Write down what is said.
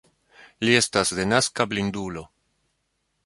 Li estas denaska blindulo.